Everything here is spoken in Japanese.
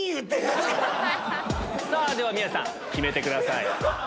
さぁでは宮治さん決めてください。